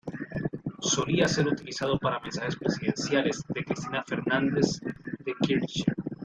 Solía ser utilizado para mensajes presidenciales de Cristina Fernández de Kirchner.